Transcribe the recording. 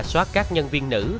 xóa các nhân viên nữ